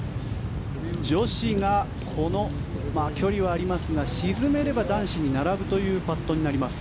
女子が距離はありますが沈めれば男子に並ぶというパットになります。